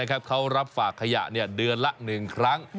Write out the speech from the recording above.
เขารับฝากขยะเดือนละ๑ครั้ง